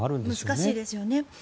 難しいですよね。